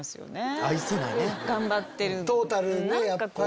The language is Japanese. トータルでやっぱり。